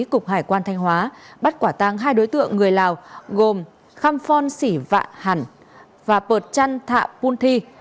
cục hải quan thanh hóa bắt quả tăng hai đối tượng người lào gồm kham phon sỉ vạ hẳn và pợt trăn thạ poon thi